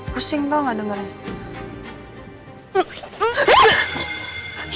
pusing kok gak dengernya